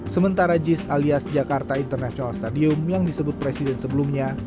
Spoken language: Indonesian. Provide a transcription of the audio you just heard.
sementara jis alias jakarta international stadium yang disebut presiden sebelumnya